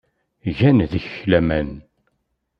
Gan deg-k laman.